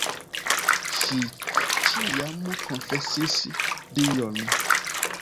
Ŝi ĉiam konfesis dion.